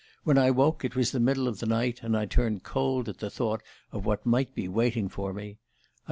When I woke it was the middle of the night, and I turned cold at the thought of what might be waiting for me.